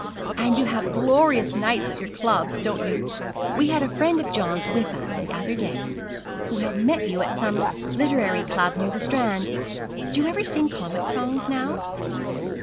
'And you have glorious nights at your clubs, don't you? We had a friend of John's with us the other day who had met you at some literary club near the Strand. Do you ever sing comic songs now?'